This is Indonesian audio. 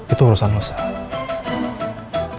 itu urusan lo sah